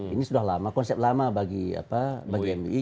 ini sudah lama konsep lama bagi mui